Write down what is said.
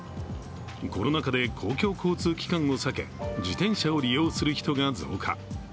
コロナ禍で公共交通機関を避け自転車を利用する人が増加。